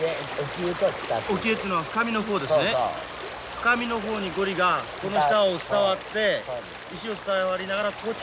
深みの方にゴリがこの下を伝わって石を伝わりながらこっちへ来るわけですねこうやって。